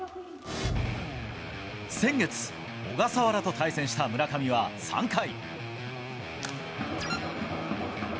先月、小笠原と対戦した村上は３回。